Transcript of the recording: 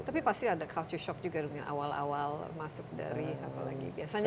tapi pasti ada culture shock juga dengan awal awal masuk dari apa lagi biasanya begitu ya